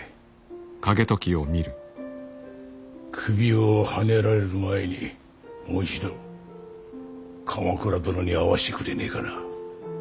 首をはねられる前にもう一度鎌倉殿に会わせてくれねえかな。